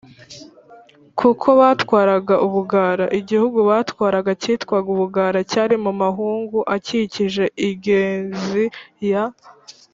kuko batwaraga ubugara. igihugu batwaraga cyitwaga ubugara cyari mu mahugu akikije ingezi ya